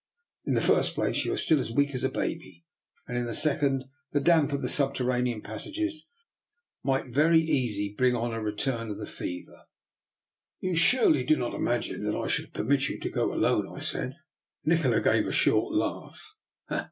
In the first place, you are still as weak as a baby ; and in the sec ond, the damp of the subterranean passages might very easily bring on a return of the fever." 278 I>R NIKOLA'S EXPERIMENT. " You surely do not imagine that I should permit you to go alone," I said. Nikola gave a short laugh.